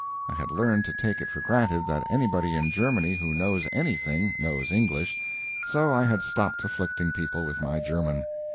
I had learned to take it for granted that anybody in Germany who knows anything, knows English, so I had stopped afflicting people with my German.